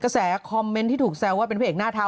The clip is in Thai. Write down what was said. แต่คอมเมนท์ที่ถูกแซวว่าเป็นเพลงหน้าเทา